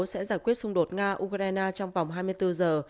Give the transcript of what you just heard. sẽ giải quyết xung đột nga ukraine trong vòng hai mươi bốn giờ